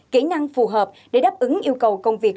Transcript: kỹ năng phù hợp để đáp ứng yêu cầu công việc